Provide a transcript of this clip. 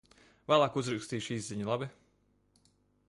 Vēlāk uzrakstīšu īsziņu, labi?